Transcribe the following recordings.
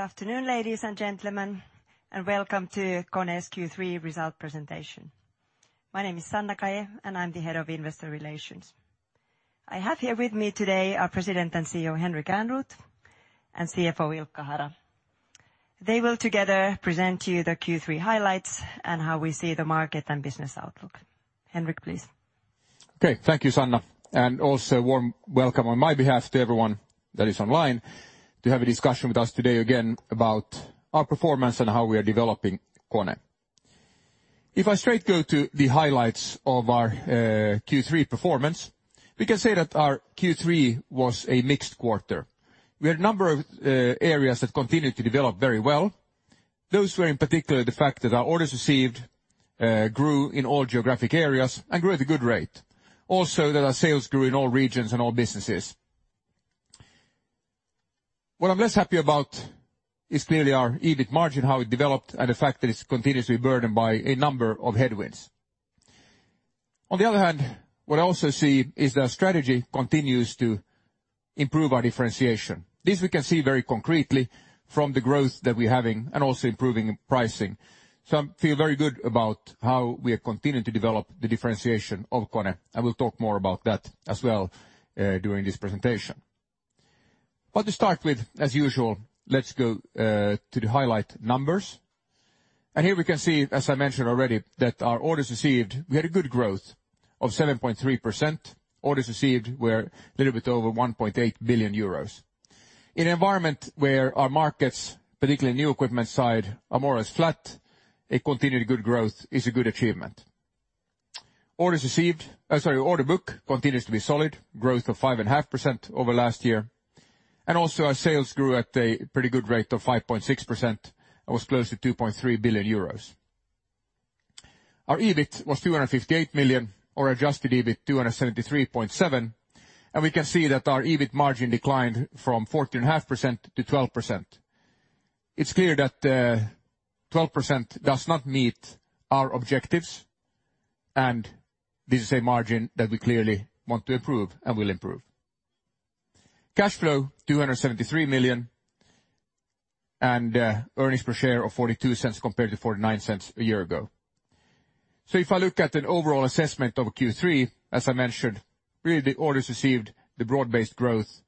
Good afternoon, ladies and gentlemen, and welcome to KONE's Q3 result presentation. My name is Sanna Kaje, and I'm the Head of Investor Relations. I have here with me today our President and CEO, Henrik Ehrnrooth, and CFO, Ilkka Hara. They will together present to you the Q3 highlights and how we see the market and business outlook. Henrik, please. Okay. Thank you, Sanna, and also warm welcome on my behalf to everyone that is online to have a discussion with us today again about our performance and how we are developing KONE. If I straight go to the highlights of our Q3 performance, we can say that our Q3 was a mixed quarter. We had a number of areas that continued to develop very well. Those were in particular the fact that our orders received grew in all geographic areas and grew at a good rate. Also, that our sales grew in all regions and all businesses. What I'm less happy about is clearly our EBIT margin, how it developed, and the fact that it's continuously burdened by a number of headwinds. On the other hand, what I also see is that our strategy continues to improve our differentiation. This we can see very concretely from the growth that we're having and also improving pricing. I feel very good about how we are continuing to develop the differentiation of KONE. I will talk more about that as well during this presentation. To start with, as usual, let's go to the highlight numbers. Here we can see, as I mentioned already, that our orders received, we had a good growth of 7.3%. Orders received were a little bit over 1.8 billion euros. In an environment where our markets, particularly new equipment side, are more or less flat, a continued good growth is a good achievement. Order book continues to be solid, growth of 5.5% over last year. Also our sales grew at a pretty good rate of 5.6%, and was close to 2.3 billion euros. Our EBIT was 258 million, or adjusted EBIT, 273.7 million. We can see that our EBIT margin declined from 14.5% to 12%. It's clear that 12% does not meet our objectives, and this is a margin that we clearly want to improve and will improve. Cash flow 273 million, and earnings per share of 0.42 compared to 0.49 a year ago. If I look at an overall assessment of Q3, as I mentioned, really the orders received, the broad-based growth,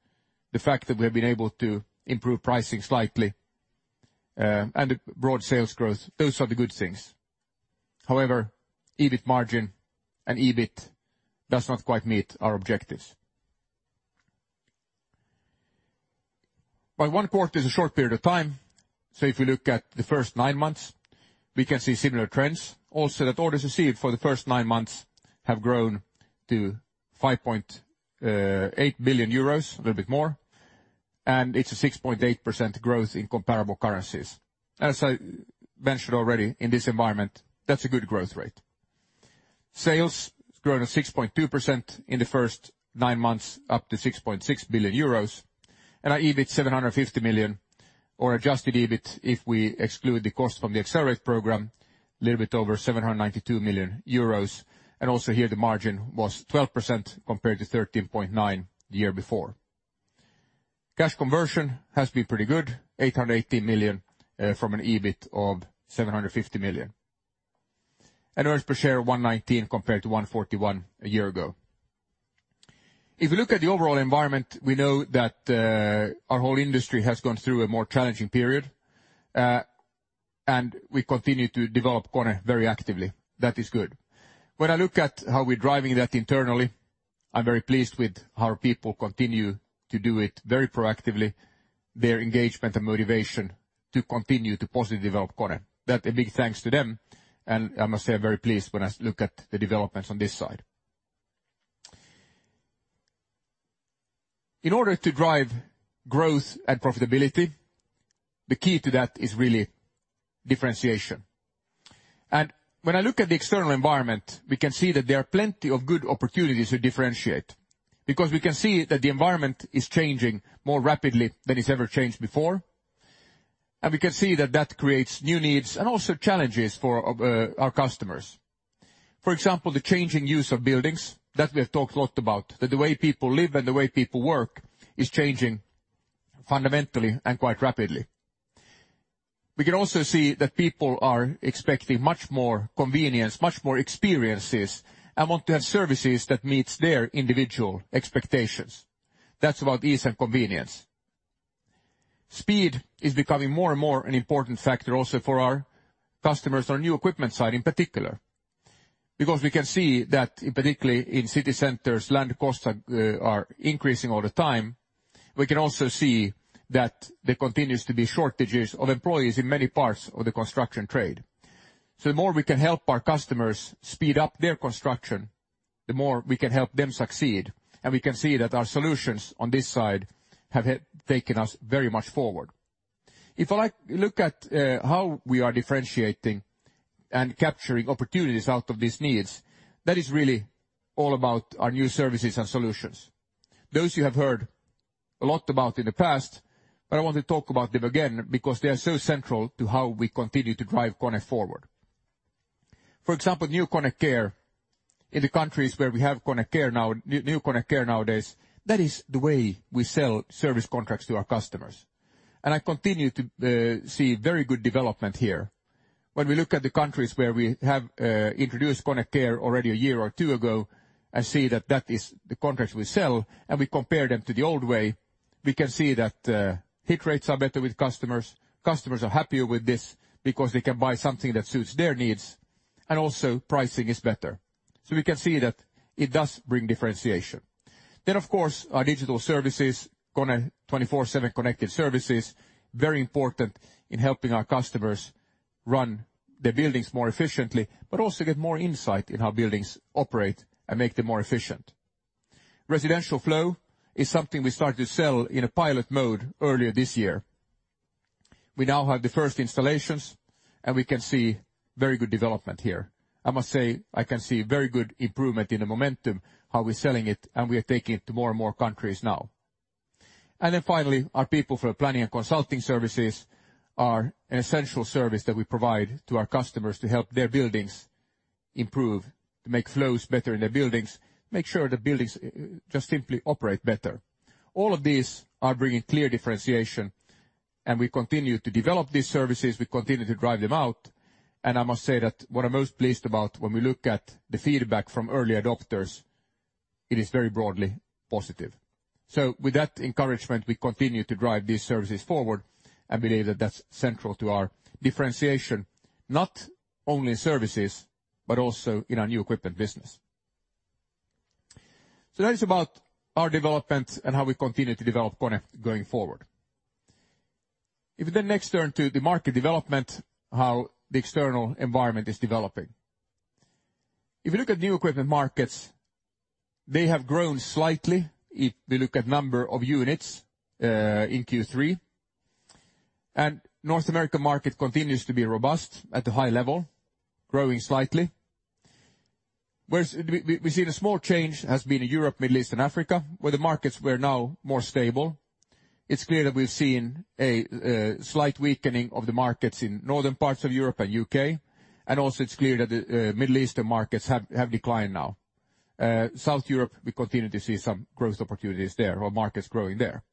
the fact that we have been able to improve pricing slightly, and the broad sales growth, those are the good things. However, EBIT margin and EBIT does not quite meet our objectives. One quarter is a short period of time, so if we look at the first nine months, we can see similar trends. Orders received for the first nine months have grown to 5.8 billion euros, a little bit more, and it's a 6.8% growth in comparable currencies. As I mentioned already, in this environment, that's a good growth rate. Sales has grown to 6.2% in the first nine months, up to 6.6 billion euros. Our EBIT 750 million or adjusted EBIT if we exclude the cost from the Accelerate program, a little bit over 792 million euros. Also here the margin was 12% compared to 13.9% the year before. Cash conversion has been pretty good, 880 million from an EBIT of 750 million. Earnings per share 1.19 compared to 1.41 a year ago. If we look at the overall environment, we know that our whole industry has gone through a more challenging period, and we continue to develop KONE very actively. That is good. When I look at how we're driving that internally, I'm very pleased with how our people continue to do it very proactively, their engagement and motivation to continue to positively develop KONE. That a big thanks to them. I must say, I'm very pleased when I look at the developments on this side. In order to drive growth and profitability, the key to that is really differentiation. When I look at the external environment, we can see that there are plenty of good opportunities to differentiate, because we can see that the environment is changing more rapidly than it's ever changed before. We can see that that creates new needs and also challenges for our customers. For example, the changing use of buildings, that we have talked a lot about. That the way people live and the way people work is changing fundamentally and quite rapidly. We can also see that people are expecting much more convenience, much more experiences, and want to have services that meets their individual expectations. That's about ease and convenience. Speed is becoming more and more an important factor also for our customers on our new equipment side in particular. Because we can see that particularly in city centers, land costs are increasing all the time. We can also see that there continues to be shortages of employees in many parts of the construction trade. The more we can help our customers speed up their construction, the more we can help them succeed. We can see that our solutions on this side have taken us very much forward. If I look at how we are differentiating and capturing opportunities out of these needs, that is really all about our new services and solutions. Those you have heard a lot about in the past, I want to talk about them again because they are so central to how we continue to drive KONE forward. For example, new KONE Care in the countries where we have KONE Care now, new KONE Care nowadays, that is the way we sell service contracts to our customers. I continue to see very good development here. When we look at the countries where we have introduced KONE Care already a year or two ago and see that that is the contracts we sell, we compare them to the old way, we can see that hit rates are better with customers. Customers are happier with this because they can buy something that suits their needs, also pricing is better. We can see that it does bring differentiation. Our digital services, KONE 24/7 Connected Services, very important in helping our customers run their buildings more efficiently, but also get more insight in how buildings operate and make them more efficient. Residential Flow is something we started to sell in a pilot mode earlier this year. We now have the first installations, and we can see very good development here. I must say, I can see very good improvement in the momentum, how we're selling it, and we are taking it to more and more countries now. Finally, our People Flow Planning and Consulting services are an essential service that we provide to our customers to help their buildings improve, to make flows better in their buildings, make sure the buildings just simply operate better. All of these are bringing clear differentiation, and we continue to develop these services. We continue to drive them out. I must say that what I'm most pleased about when we look at the feedback from early adopters, it is very broadly positive. With that encouragement, we continue to drive these services forward and believe that that's central to our differentiation, not only in services, but also in our new equipment business. That is about our development and how we continue to develop KONE going forward. If we next turn to the market development, how the external environment is developing. If you look at new equipment markets, they have grown slightly if we look at number of units, in Q3. North American market continues to be robust at a high level, growing slightly. Whereas we've seen a small change has been in Europe, Middle East, and Africa, where the markets were now more stable. It's clear that we've seen a slight weakening of the markets in northern parts of Europe and U.K., and also it's clear that the Middle Eastern markets have declined now. South Europe, we continue to see some growth opportunities there or markets growing there.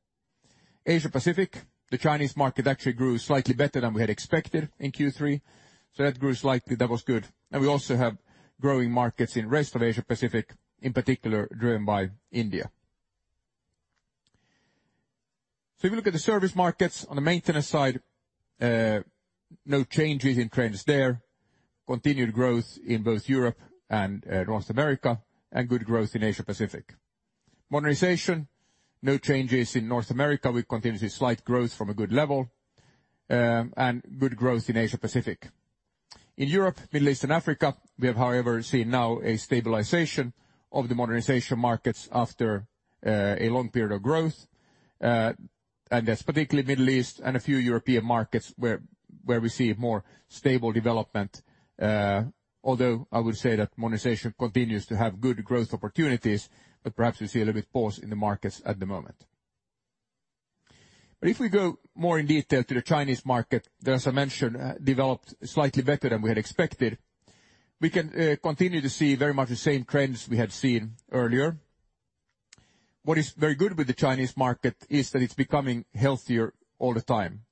Asia-Pacific, the Chinese market actually grew slightly better than we had expected in Q3. That grew slightly. That was good. We also have growing markets in rest of Asia-Pacific, in particular driven by India. If you look at the service markets, on the maintenance side, no changes in trends there. Continued growth in both Europe and North America, and good growth in Asia-Pacific. Modernization, no changes in North America. We continue to see slight growth from a good level, and good growth in Asia-Pacific. In Europe, Middle East, and Africa, we have however seen now a stabilization of the modernization markets after a long period of growth. That's particularly Middle East and a few European markets where we see more stable development, although I would say that modernization continues to have good growth opportunities, but perhaps we see a little bit pause in the markets at the moment. If we go more in detail to the Chinese market that, as I mentioned, developed slightly better than we had expected, we can continue to see very much the same trends we had seen earlier. What is very good with the Chinese market is that it's becoming healthier all the time.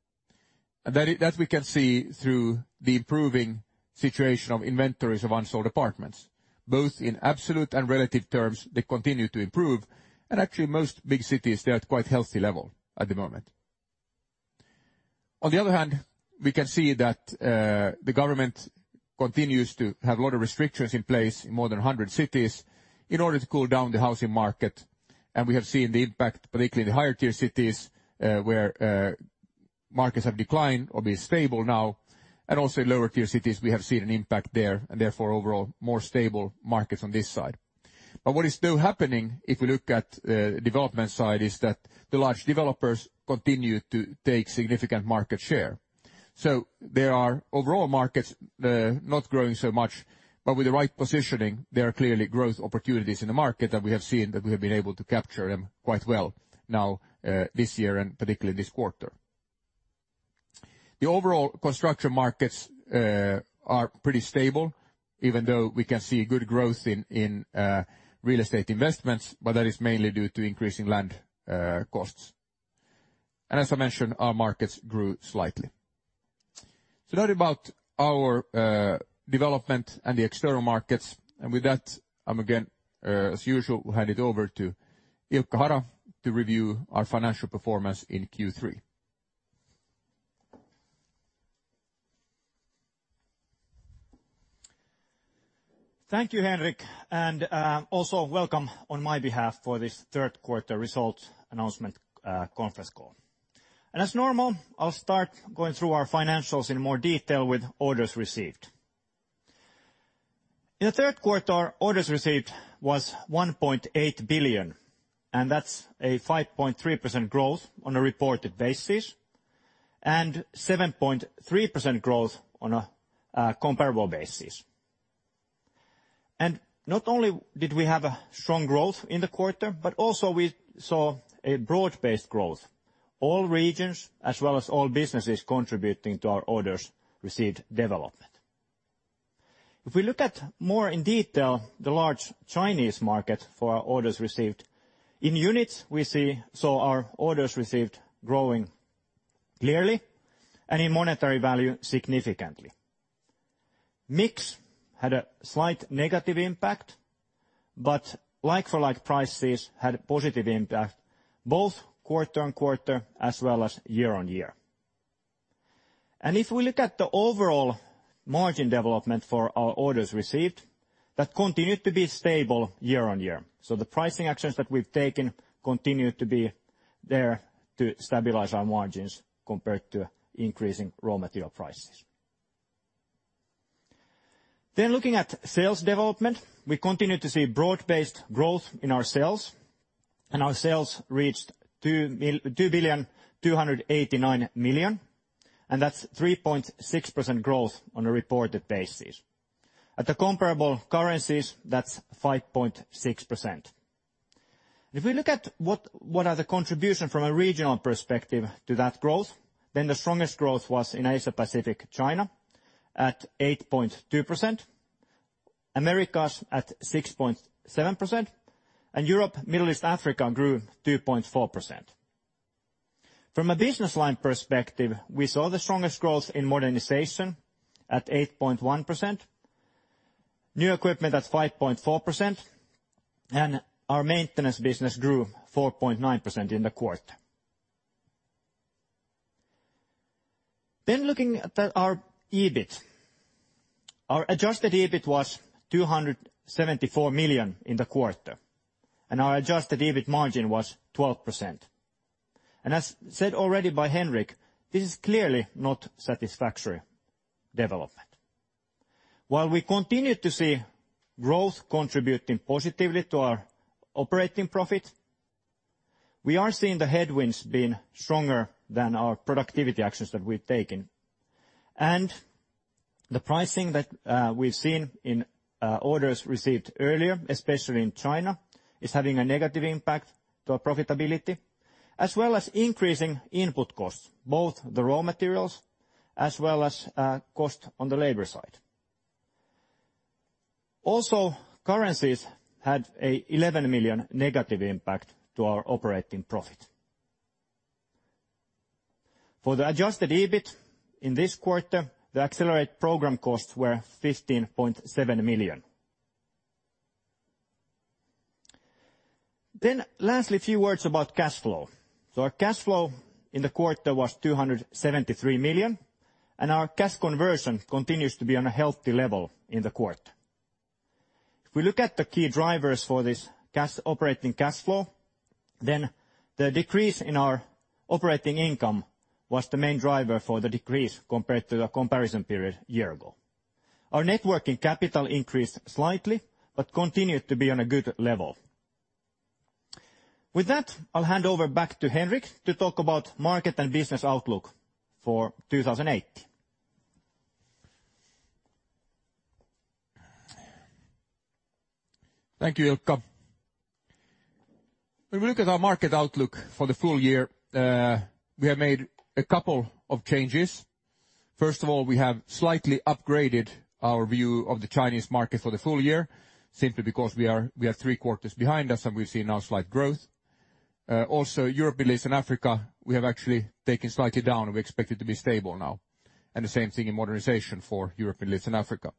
That we can see through the improving situation of inventories of unsold apartments, both in absolute and relative terms, they continue to improve. Actually most big cities, they're at quite healthy level at the moment. On the other hand, we can see that the government continues to have a lot of restrictions in place in more than 100 cities in order to cool down the housing market. We have seen the impact, particularly in the higher tier cities, where markets have declined or been stable now, and also in lower tier cities, we have seen an impact there, and therefore overall more stable markets on this side. What is still happening, if we look at the development side, is that the large developers continue to take significant market share. There are overall markets not growing so much, but with the right positioning, there are clearly growth opportunities in the market that we have seen that we have been able to capture them quite well now this year and particularly this quarter. The overall construction markets are pretty stable, even though we can see good growth in real estate investments, but that is mainly due to increasing land costs. As I mentioned, our markets grew slightly. That about our development and the external markets. With that, I'm again, as usual, hand it over to Ilkka Hara to review our financial performance in Q3. Thank you, Henrik, and also welcome on my behalf for this third quarter results announcement conference call. As normal, I'll start going through our financials in more detail with orders received. In the third quarter, orders received was 1.8 billion, and that's a 5.3% growth on a reported basis and 7.3% growth on a comparable basis. Not only did we have a strong growth in the quarter, but also we saw a broad-based growth. All regions, as well as all businesses contributing to our orders received development. If we look at more in detail the large Chinese market for our orders received, in units we saw our orders received growing clearly, and in monetary value significantly. Mix had a slight negative impact, but like-for-like prices had a positive impact both quarter-on-quarter as well as year-on-year. If we look at the overall margin development for our orders received, that continued to be stable year-on-year. The pricing actions that we've taken continue to be there to stabilize our margins compared to increasing raw material prices. Looking at sales development, we continue to see broad-based growth in our sales. Our sales reached 2,289 million, and that's 3.6% growth on a reported basis. At the comparable currencies, that's 5.6%. If we look at what are the contribution from a regional perspective to that growth, then the strongest growth was in Asia-Pacific, China at 8.2%, Americas at 6.7%, and Europe, Middle East, Africa grew 2.4%. From a business line perspective, we saw the strongest growth in modernization at 8.1%, new equipment at 5.4%, and our maintenance business grew 4.9% in the quarter. Looking at our EBIT. Our adjusted EBIT was 274 million in the quarter. Our adjusted EBIT margin was 12%. As said already by Henrik, this is clearly not satisfactory development. While we continue to see growth contributing positively to our operating profit, we are seeing the headwinds being stronger than our productivity actions that we've taken. The pricing that we've seen in orders received earlier, especially in China, is having a negative impact to our profitability, as well as increasing input costs, both the raw materials as well as cost on the labor side. Currencies had a 11 million negative impact to our operating profit. For the adjusted EBIT in this quarter, the Accelerate program costs were 15.7 million. Lastly, a few words about cash flow. Our cash flow in the quarter was 273 million, and our cash conversion continues to be on a healthy level in the quarter. If we look at the key drivers for this operating cash flow, the decrease in our operating income was the main driver for the decrease compared to the comparison period year ago. Our net working capital increased slightly but continued to be on a good level. With that, I'll hand over back to Henrik to talk about market and business outlook for 2018. Thank you, Ilkka. When we look at our market outlook for the full year, we have made a couple of changes. First of all, we have slightly upgraded our view of the Chinese market for the full year, simply because we have three quarters behind us and we've seen now slight growth. Europe, Middle East, and Africa, we have actually taken slightly down, and we expect it to be stable now. The same thing in modernization for Europe, Middle East, and Africa.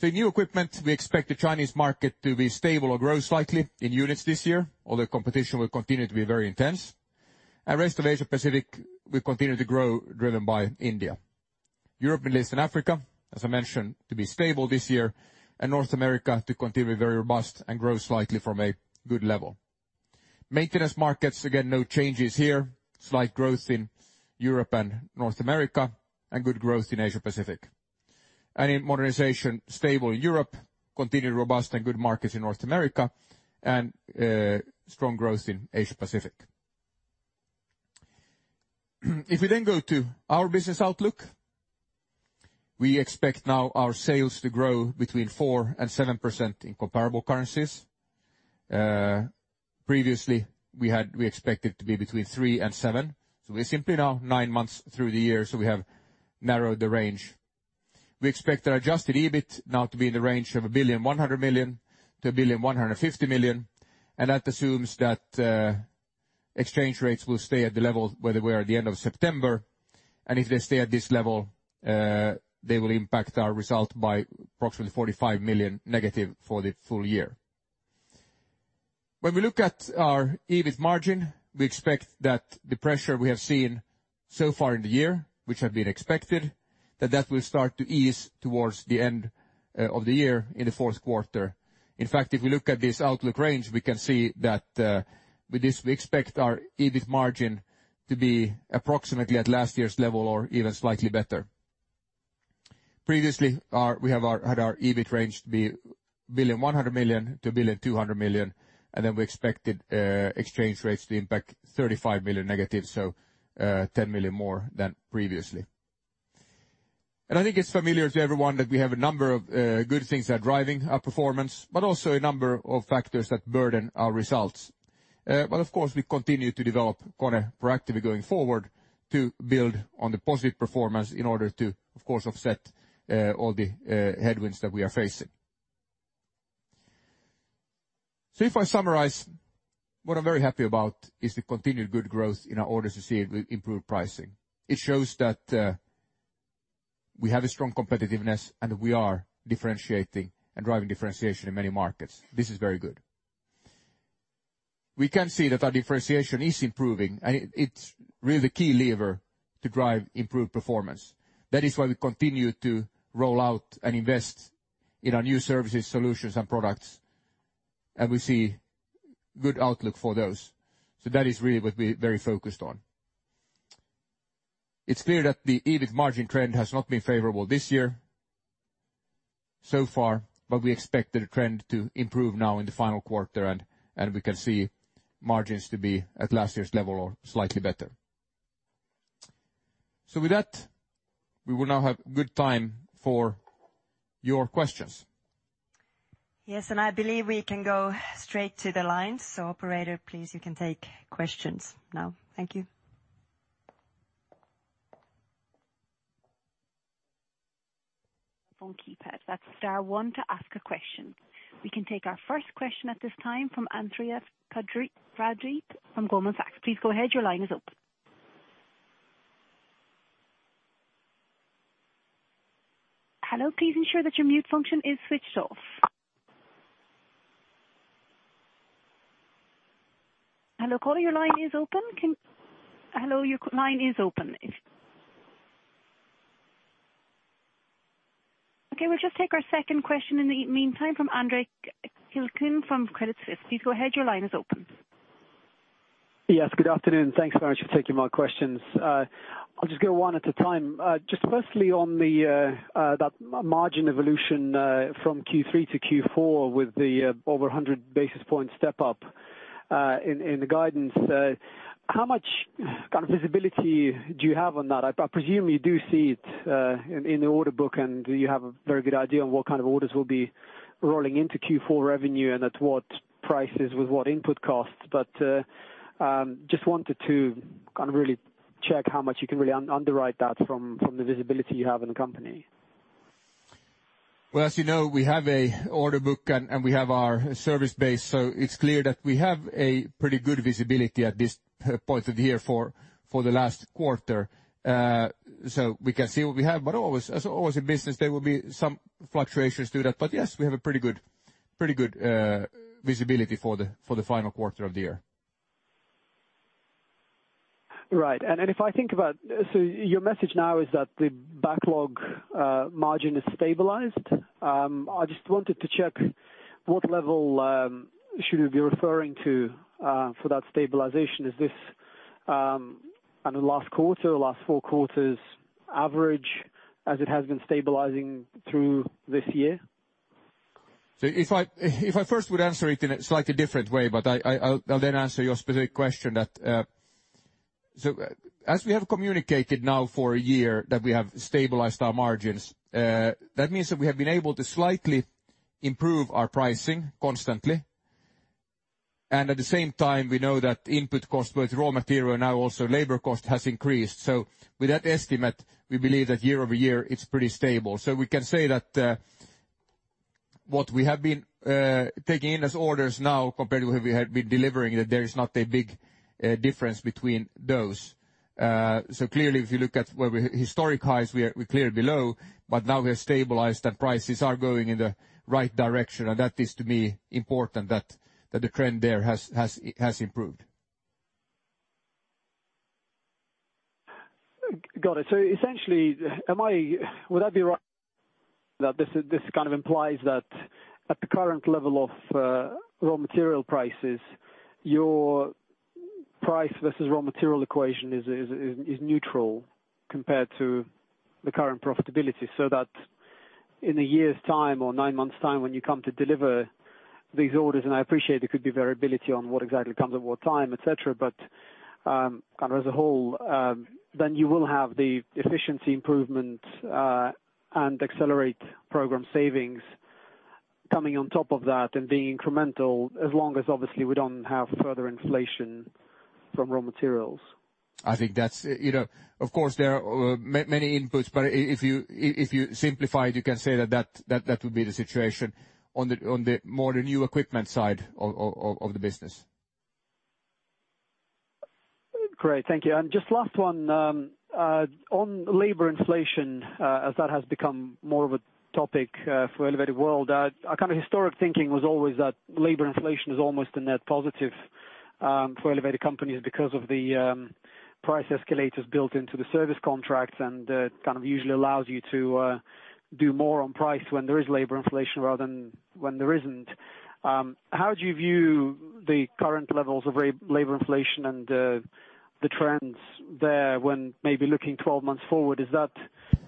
In new equipment, we expect the Chinese market to be stable or grow slightly in units this year, although competition will continue to be very intense. Rest of Asia-Pacific will continue to grow, driven by India. Europe, Middle East, and Africa, as I mentioned, to be stable this year, and North America to continue very robust and grow slightly from a good level. Maintenance markets, again, no changes here. Slight growth in Europe and North America and good growth in Asia-Pacific. In modernization, stable Europe, continued robust and good markets in North America, and strong growth in Asia-Pacific. If we go to our business outlook, we expect now our sales to grow between 4% and 7% in comparable currencies. Previously, we expect it to be between 3% and 7%. We're simply now nine months through the year, so we have narrowed the range. We expect our adjusted EBIT now to be in the range of 1,100 million-1,150 million, and that assumes that exchange rates will stay at the level where they were at the end of September. If they stay at this level, they will impact our result by approximately 45 million negative for the full year. When we look at our EBIT margin, we expect that the pressure we have seen so far in the year, which have been expected, that that will start to ease towards the end of the year in the fourth quarter. In fact, if we look at this outlook range, we can see that we expect our EBIT margin to be approximately at last year's level or even slightly better. Previously, we had our EBIT range to be 1.1 billion-1.2 billion, then we expected exchange rates to impact 35 million negative, so 10 million more than previously. I think it's familiar to everyone that we have a number of good things that are driving our performance, but also a number of factors that burden our results. Of course, we continue to develop KONE proactively going forward to build on the positive performance in order to, of course, offset all the headwinds that we are facing. If I summarize, what I'm very happy about is the continued good growth in our order to see improved pricing. It shows that we have a strong competitiveness and we are differentiating and driving differentiation in many markets. This is very good. We can see that our differentiation is improving, and it's really the key lever to drive improved performance. That is why we continue to roll out and invest in our new services, solutions, and products, and we see good outlook for those. That is really what we're very focused on. It's clear that the EBIT margin trend has not been favorable this year so far, we expect the trend to improve now in the final quarter, and we can see margins to be at last year's level or slightly better. With that, we will now have good time for your questions. Yes, I believe we can go straight to the lines. Operator, please, you can take questions now. Thank you. Phone keypad. That's star one to ask a question. We can take our first question at this time from Andreas Petrides from Goldman Sachs. Please go ahead. Your line is open. Hello, please ensure that your mute function is switched off. Hello, caller, your line is open. Hello, your line is open. Okay, we'll just take our second question in the meantime from Andre Kukhnin from Credit Suisse. Please go ahead. Your line is open. Yes, good afternoon. Thanks very much for taking my questions. I'll just go one at a time. Just firstly on that margin evolution from Q3 to Q4 with the over 100 basis point step up in the guidance. How much kind of visibility do you have on that? I presume you do see it in the order book and you have a very good idea on what kind of orders will be rolling into Q4 revenue and at what prices with what input costs. Just wanted to kind of really check how much you can really underwrite that from the visibility you have in the company. Well, as you know, we have an order book and we have our service base. It's clear that we have a pretty good visibility at this point of the year for the last quarter. We can see what we have. As always in business, there will be some fluctuations to that. Yes, we have a pretty good visibility for the final quarter of the year. Right. Your message now is that the backlog margin is stabilized. I just wanted to check what level should we be referring to for that stabilization. Is this on the last quarter, last four quarters average, as it has been stabilizing through this year? If I first would answer it in a slightly different way, I'll then answer your specific question. As we have communicated now for a year that we have stabilized our margins, that means that we have been able to slightly improve our pricing constantly, and at the same time, we know that input costs, both raw material, now also labor cost, has increased. With that estimate, we believe that year-over-year, it's pretty stable. We can say that what we have been taking in as orders now compared to what we had been delivering, that there is not a big difference between those. Clearly, if you look at where we're at historic highs, we're clearly below, but now we are stabilized and prices are going in the right direction, and that is to me important that the trend there has improved. Got it. Essentially, would I be right that this kind of implies that at the current level of raw material prices, your price versus raw material equation is neutral compared to the current profitability. That in a year's time or nine months' time when you come to deliver these orders, and I appreciate there could be variability on what exactly comes at what time, et cetera, but as a whole, then you will have the efficiency improvement, and Accelerate program savings coming on top of that and being incremental as long as obviously we don't have further inflation from raw materials. Of course, there are many inputs, if you simplify it, you can say that that would be the situation on the more the new equipment side of the business. Great. Thank you. Just last one, on labor inflation, as that has become more of a topic for the elevator world, our kind of historic thinking was always that labor inflation is almost a net positive for elevator companies because of the price escalators built into the service contracts and it kind of usually allows you to do more on price when there is labor inflation rather than when there isn't. How do you view the current levels of labor inflation and the trends there when maybe looking 12 months forward? Is that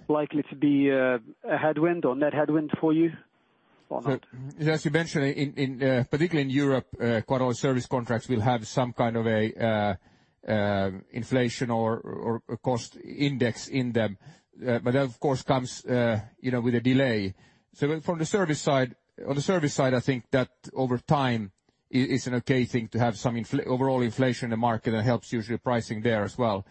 likely to be a headwind or net headwind for you? As you mentioned, particularly in Europe, quite a lot of service contracts will have some kind of an inflation or cost index in them. That, of course, comes with a delay. From the service side, I think that over time it's an okay thing to have some overall inflation in the market. That usually helps pricing there as well.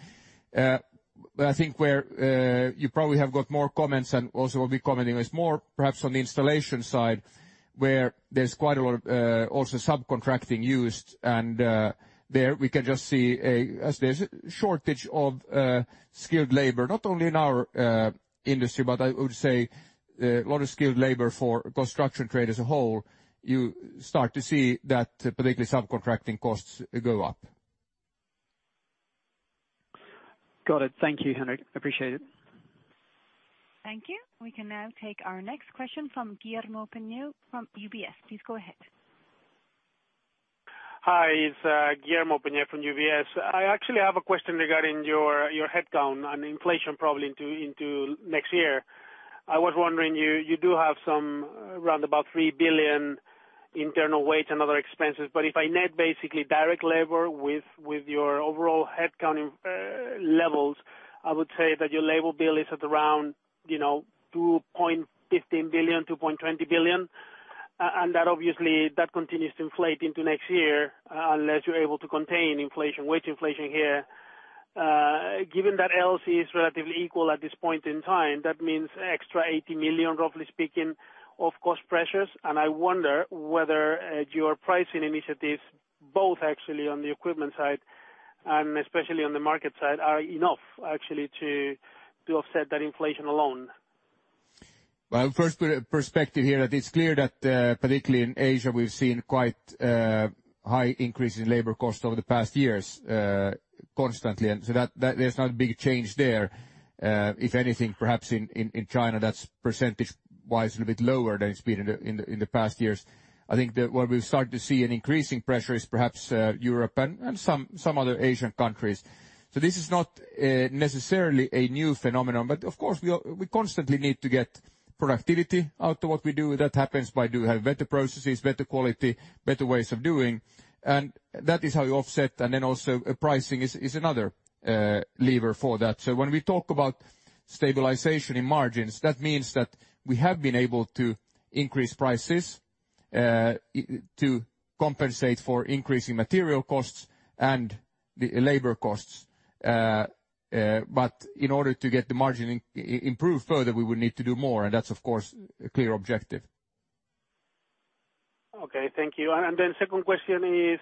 I think where you probably have got more comments, and also will be commenting is more perhaps on the installation side, where there's quite a lot of subcontracting used. There we can just see, as there's a shortage of skilled labor, not only in our industry, but I would say a lot of skilled labor for construction trade as a whole, you start to see that particularly subcontracting costs go up. Got it. Thank you, Henrik. Appreciate it. Thank you. We can now take our next question from Guillermo Peigneux Lojo from UBS. Please go ahead. Hi, it's Guillermo Peigneux Lojo from UBS. I actually have a question regarding your headcount and inflation probably into next year. I was wondering, you do have some around about 3 billion internal wage and other expenses. If I net basically direct labor with your overall headcount levels, I would say that your labor bill is at around 2.15 billion, 2.20 billion. That obviously continues to inflate into next year, unless you're able to contain wage inflation here. Given that LC is relatively equal at this point in time, that means extra 80 million, roughly speaking, of cost pressures. I wonder whether your pricing initiatives, both actually on the equipment side and especially on the market side, are enough actually to offset that inflation alone. First perspective here that it's clear that, particularly in Asia, we've seen quite a high increase in labor cost over the past years constantly, there's not a big change there. If anything, perhaps in China, that's percentage-wise a little bit lower than it's been in the past years. I think that where we've started to see an increasing pressure is perhaps Europe and some other Asian countries. This is not necessarily a new phenomenon. Of course, we constantly need to get productivity out of what we do. That happens by having better processes, better quality, better ways of doing, and that is how you offset. Also pricing is another lever for that. When we talk about stabilization in margins, that means that we have been able to increase prices to compensate for increasing material costs and the labor costs. In order to get the margin improved further, we would need to do more, and that's of course a clear objective. Okay, thank you. Second question is,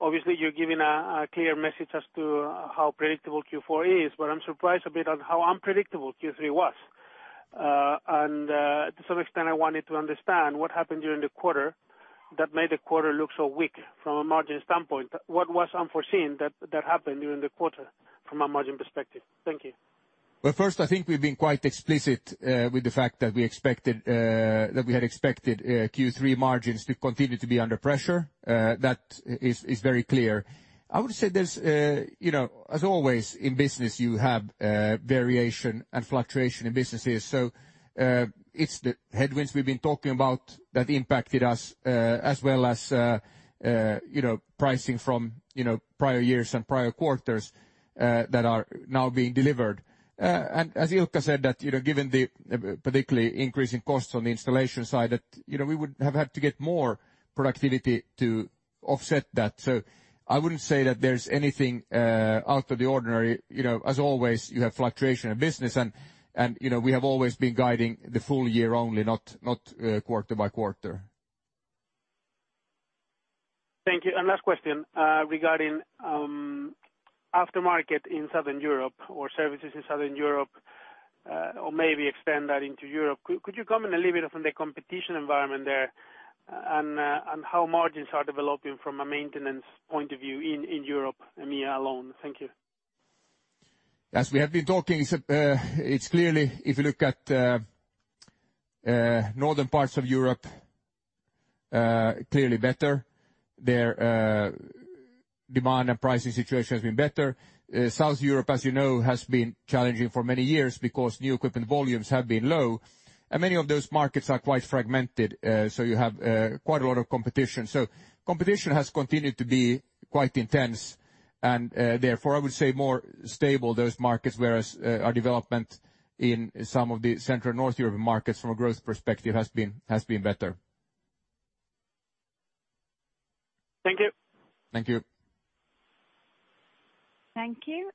obviously, you're giving a clear message as to how predictable Q4 is. I'm surprised a bit on how unpredictable Q3 was. To some extent, I wanted to understand what happened during the quarter that made the quarter look so weak from a margin standpoint. What was unforeseen that happened during the quarter from a margin perspective? Thank you. First, I think we've been quite explicit with the fact that we had expected Q3 margins to continue to be under pressure. That is very clear. I would say there's, as always, in business, you have variation and fluctuation in businesses. It's the headwinds we've been talking about that impacted us as well as pricing from prior years and prior quarters that are now being delivered. As Ilkka said that, given the particularly increasing costs on the installation side, that we would have had to get more productivity to offset that. I wouldn't say that there's anything out of the ordinary. As always, you have fluctuation in business, and we have always been guiding the full year only, not quarter by quarter. Last question regarding aftermarket in Southern Europe or services in Southern Europe or maybe expand that into Europe. Could you comment a little bit on the competition environment there and how margins are developing from a maintenance point of view in Europe, EMEA alone? Thank you. As we have been talking, it's clearly, if you look at northern parts of Europe, clearly better. Their demand and pricing situation has been better. South Europe, as you know, has been challenging for many years because new equipment volumes have been low and many of those markets are quite fragmented. You have quite a lot of competition. Competition has continued to be quite intense and therefore, I would say more stable, those markets, whereas our development in some of the Central North European markets from a growth perspective has been better. Thank you. Thank you. Thank you.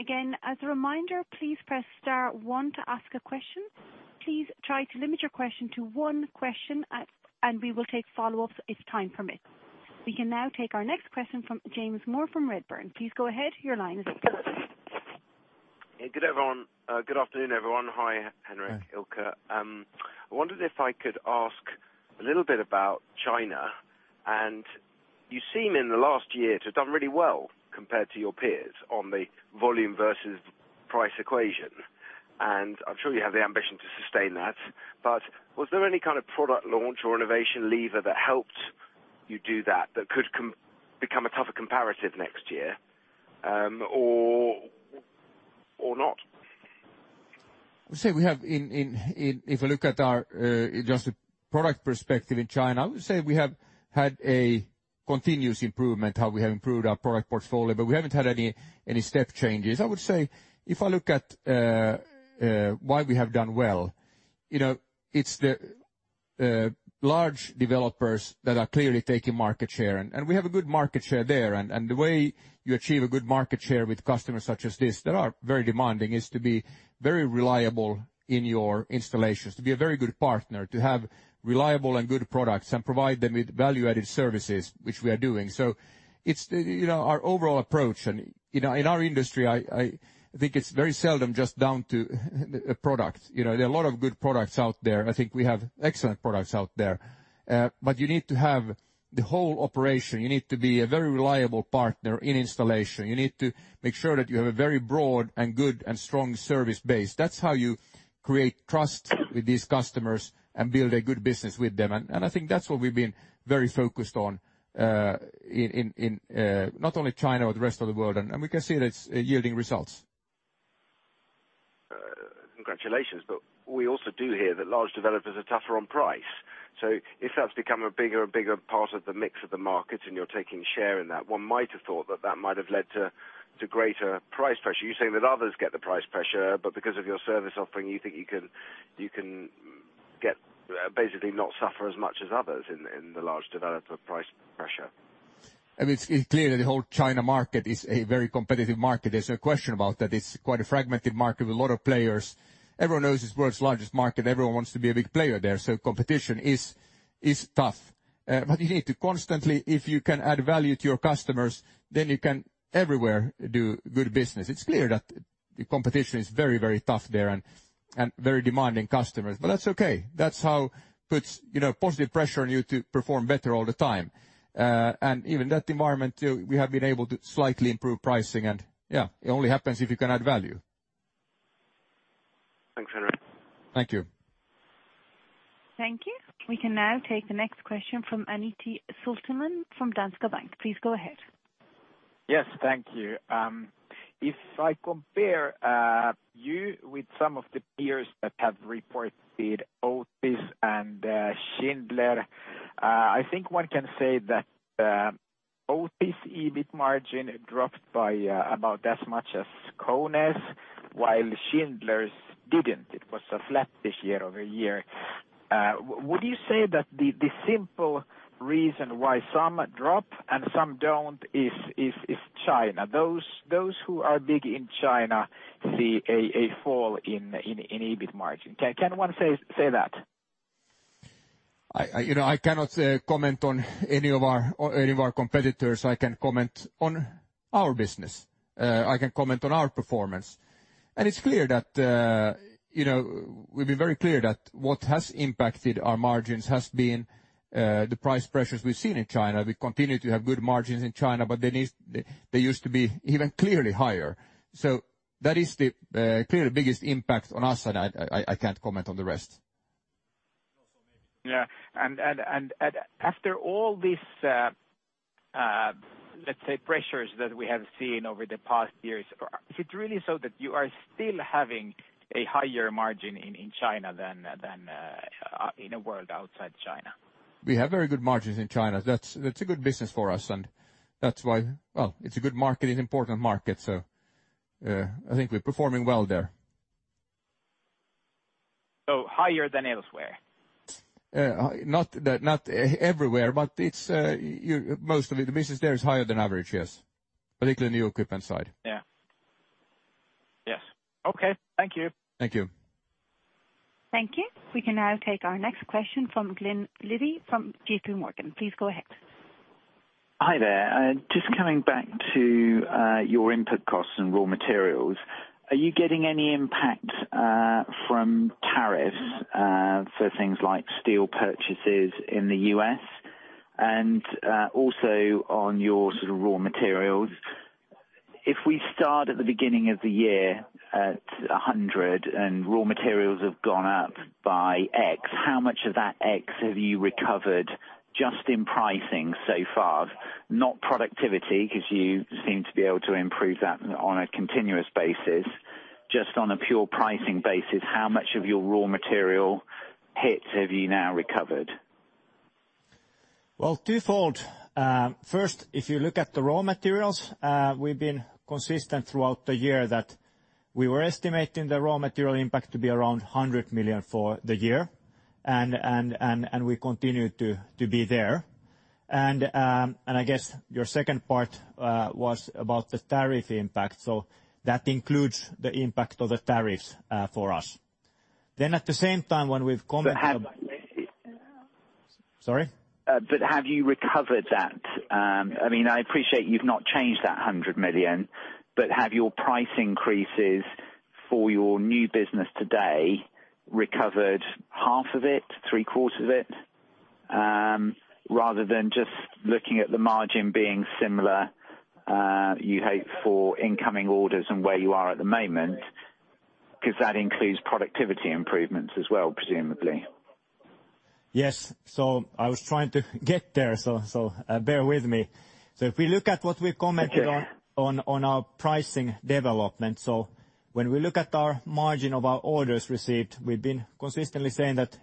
Again, as a reminder, please press star one to ask a question. Please try to limit your question to one question, and we will take follow-ups if time permits. We can now take our next question from James Moore from Redburn. Please go ahead. Your line is open. Hey. Good afternoon, everyone. Hi, Henrik, Ilkka. I wondered if I could ask a little bit about China. You seem, in the last year, to have done really well compared to your peers on the volume versus price equation. I'm sure you have the ambition to sustain that. Was there any kind of product launch or innovation lever that helped you do that that could become a tougher comparative next year? Or not? If I look at just the product perspective in China, I would say we have had a continuous improvement, how we have improved our product portfolio, but we haven't had any step changes. I would say, if I look at why we have done well, it's the large developers that are clearly taking market share, and we have a good market share there. The way you achieve a good market share with customers such as this that are very demanding, is to be very reliable in your installations, to be a very good partner, to have reliable and good products and provide them with value-added services, which we are doing. It's our overall approach. In our industry, I think it's very seldom just down to products. There are a lot of good products out there. I think we have excellent products out there. You need to have the whole operation. You need to be a very reliable partner in installation. You need to make sure that you have a very broad and good and strong service base. That's how you create trust with these customers and build a good business with them. I think that's what we've been very focused on, in not only China but the rest of the world, and we can see that it's yielding results. Congratulations. We also do hear that large developers are tougher on price. If that's become a bigger and bigger part of the mix of the market and you're taking share in that, one might have thought that that might have led to greater price pressure. You say that others get the price pressure, but because of your service offering, you think you can basically not suffer as much as others in the large developer price pressure. It's clear the whole China market is a very competitive market. There's no question about that. It's quite a fragmented market with a lot of players. Everyone knows it's the world's largest market. Competition is tough. You need to constantly, if you can add value to your customers, then you can everywhere do good business. It's clear that the competition is very, very tough there and very demanding customers, but that's okay. That's how it puts positive pressure on you to perform better all the time. Even that environment, too, we have been able to slightly improve pricing. Yeah, it only happens if you can add value. Thanks, Henrik. Thank you. Thank you. We can now take the next question from Antti Suttelin from Danske Bank. Please go ahead. Yes, thank you. If I compare you with some of the peers that have reported, Otis and Schindler, I think one can say that Otis' EBIT margin dropped by about as much as KONE's, while Schindler's didn't. It was flat this year-over-year. Would you say that the simple reason why some drop and some don't is China? Those who are big in China see a fall in EBIT margin. Can one say that? I cannot comment on any of our competitors. I can comment on our business. I can comment on our performance. We've been very clear that what has impacted our margins has been the price pressures we've seen in China. We continue to have good margins in China, but they used to be even clearly higher. That is the clearly biggest impact on us, and I can't comment on the rest. Yeah. After all these, let's say, pressures that we have seen over the past years, is it really so that you are still having a higher margin in China than in a world outside China? We have very good margins in China. That's a good business for us, and that's why, well, it's a good market. It's an important market, I think we're performing well there. Higher than elsewhere? Not everywhere, mostly the business there is higher than average, yes. Particularly on the equipment side. Yeah. Yes. Okay. Thank you. Thank you. Thank you. We can now take our next question from Glen Liddy from JPMorgan. Please go ahead. Hi there. Just coming back to your input costs and raw materials, are you getting any impact from tariffs for things like steel purchases in the U.S.? Also on your raw materials, if we start at the beginning of the year at 100 and raw materials have gone up by X, how much of that X have you recovered just in pricing so far? Not productivity, because you seem to be able to improve that on a continuous basis. Just on a pure pricing basis, how much of your raw material hits have you now recovered? Twofold. First, if you look at the raw materials, we've been consistent throughout the year that we were estimating the raw material impact to be around 100 million for the year, and we continue to be there. I guess your second part was about the tariff impact. That includes the impact of the tariffs for us. But have- Sorry? Have you recovered that? I appreciate you've not changed that 100 million, have your price increases for your new business today recovered half of it, three-quarters of it? Rather than just looking at the margin being similar, you hope for incoming orders and where you are at the moment, because that includes productivity improvements as well, presumably. Yes. I was trying to get there, bear with me. If we look at what we commented on our pricing development. When we look at our margin of our orders received, we've been consistently saying that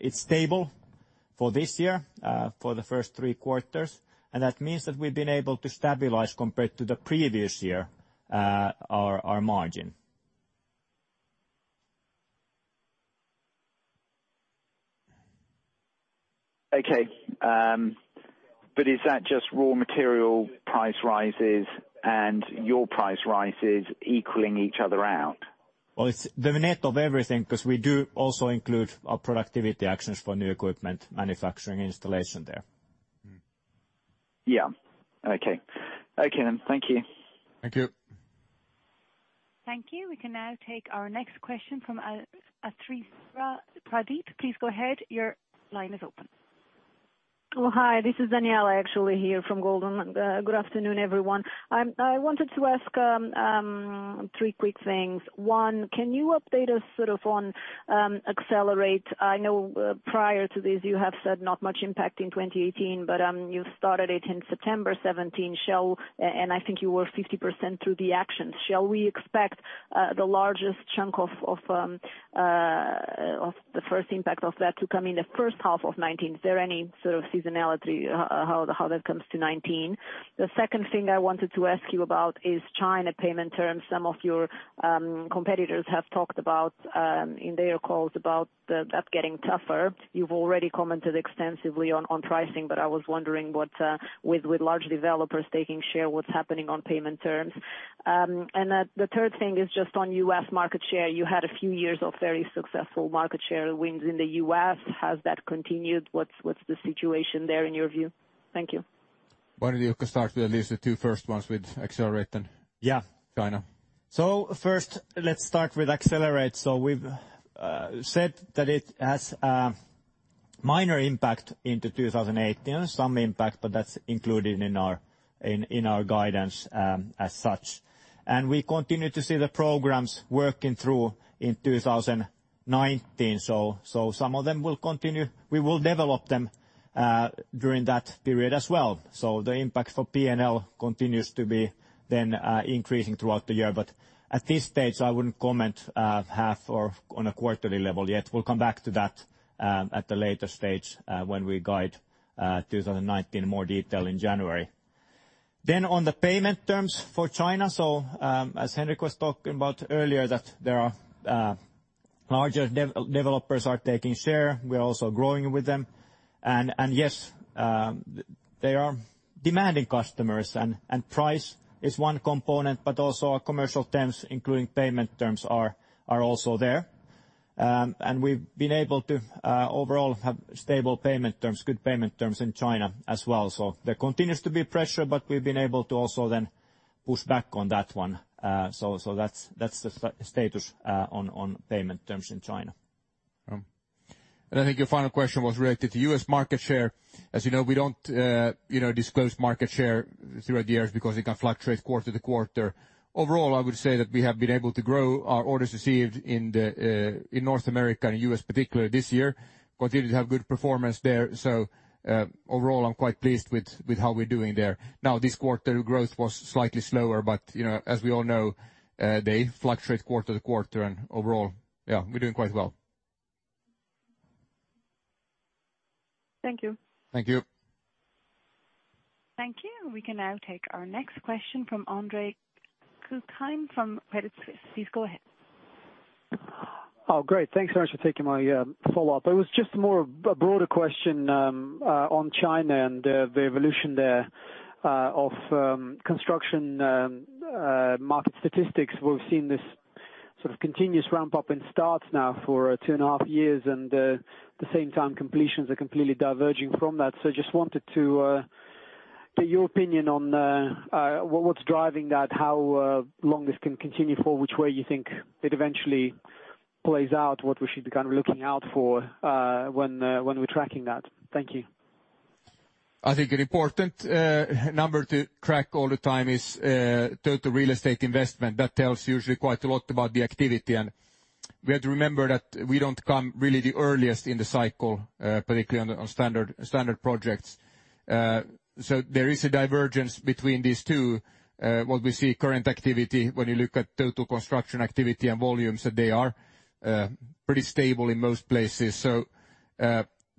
it's stable for this year for the first three quarters, and that means that we've been able to stabilize compared to the previous year, our margin. Okay. Is that just raw material price rises and your price rises equaling each other out? Well, it's the net of everything because we do also include our productivity actions for new equipment manufacturing installation there. Yeah. Okay. Thank you. Thank you. Thank you. We can now take our next question from Athira Pradeep. Please go ahead. Your line is open. Oh, hi. This is Daniela actually here from Goldman. Good afternoon, everyone. I wanted to ask three quick things. One, can you update us sort of on Accelerate? I know prior to this you have said not much impact in 2018, but you started it in September 2017, and I think you were 50% through the actions. Shall we expect the largest chunk of the first impact of that to come in the first half of 2019? Is there any sort of seasonality how that comes to 2019? The second thing I wanted to ask you about is China payment terms. Some of your competitors have talked about in their calls about that getting tougher. You've already commented extensively on pricing, but I was wondering with large developers taking share, what's happening on payment terms. The third thing is just on U.S. market share. You had a few years of very successful market share wins in the U.S. Has that continued? What's the situation there in your view? Thank you. Why don't you start with at least the two first ones with Accelerate then? Yeah. China. First let's start with Accelerate. We've said that it has a minor impact into 2018, some impact, but that's included in our guidance as such. We continue to see the programs working through in 2019. Some of them will continue. We will develop them during that period as well. The impact for P&L continues to be then increasing throughout the year. At this stage I wouldn't comment half or on a quarterly level yet. We'll come back to that at a later stage when we guide 2019 in more detail in January. On the payment terms for China. As Henrik was talking about earlier, that larger developers are taking share, we're also growing with them. Yes, they are demanding customers and price is one component, but also our commercial terms, including payment terms, are also there. We've been able to overall have stable payment terms, good payment terms in China as well. There continues to be pressure, but we've been able to also then push back on that one. That's the status on payment terms in China. I think your final question was related to U.S. market share. As you know, we don't disclose market share throughout the years because it can fluctuate quarter to quarter. Overall, I would say that we have been able to grow our orders received in North America and U.S. particular this year, continue to have good performance there. Overall, I'm quite pleased with how we're doing there. Now this quarter growth was slightly slower, but as we all know, they fluctuate quarter to quarter and overall, yeah, we're doing quite well. Thank you. Thank you. Thank you. We can now take our next question from Andre Kukhnin from Credit Suisse. Please go ahead. Great. Thanks so much for taking my follow-up. It was just more of a broader question on China and the evolution there of construction market statistics. We've seen this sort of continuous ramp-up in starts now for two and a half years. At the same time completions are completely diverging from that. Just wanted to get your opinion on what's driving that, how long this can continue for, which way you think it eventually plays out, what we should be kind of looking out for when we're tracking that. Thank you. I think an important number to track all the time is total real estate investment. That tells usually quite a lot about the activity. We have to remember that we don't come really the earliest in the cycle, particularly on standard projects. There is a divergence between these two. What we see current activity, when you look at total construction activity and volumes, that they are pretty stable in most places.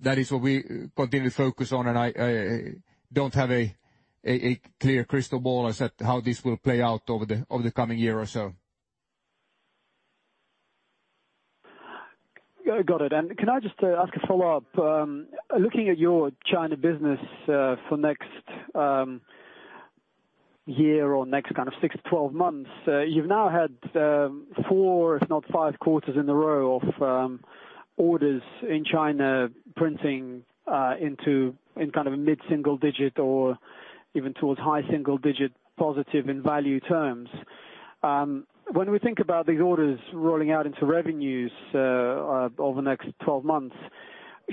That is what we continue to focus on. I don't have a clear crystal ball as at how this will play out over the coming year or so. Got it. Can I just ask a follow-up? Looking at your China business for next year or next kind of 6 to 12 months, you've now had four if not five quarters in a row of orders in China printing in kind of a mid-single digit or even towards high single digit positive in value terms. When we think about these orders rolling out into revenues over the next 12 months.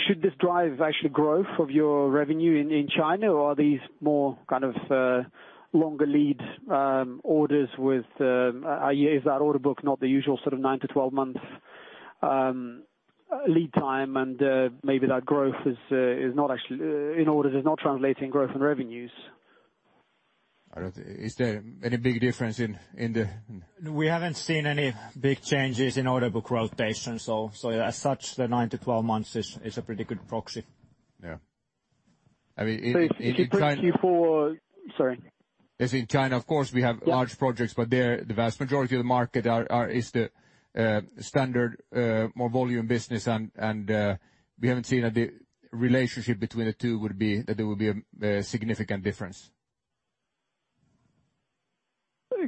Should this drive actually growth of your revenue in China or are these more kind of longer lead orders? Is that order book not the usual sort of nine to 12 months lead time and maybe that growth in orders is not translating growth in revenues? Is there any big difference in the We haven't seen any big changes in order book rotations, so as such, the nine to 12 months is a pretty good proxy. Yeah. I mean, in China If you print Q4, sorry. As in China, of course, we have large projects, but the vast majority of the market is the standard, more volume business. We haven't seen that the relationship between the two that there would be a significant difference.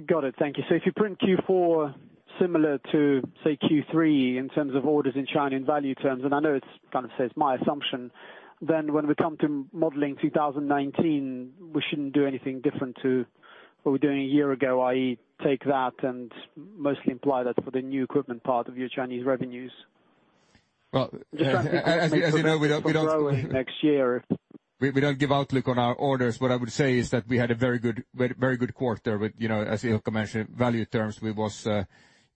Got it. Thank you. If you print Q4 similar to, say, Q3 in terms of orders in China in value terms, and I know it's kind of says my assumption, then when we come to modeling 2019, we shouldn't do anything different to what we were doing a year ago, i.e. take that and mostly imply that for the new equipment part of your Chinese revenues. As you know, we don't. Just trying to get confirmation for growing next year. We don't give outlook on our orders. What I would say is that we had a very good quarter with, as Ilkka mentioned, value terms we was in